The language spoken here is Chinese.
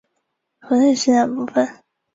代表安提瓜的小盾即移至上方的中间位置。